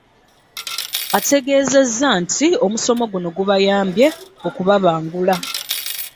Ategeezezza nti omusomo guno gubayambye okubabangula.